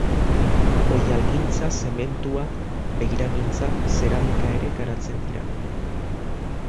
Oihalgintza, zementua, beiragintza, zeramika ere garatzen dira.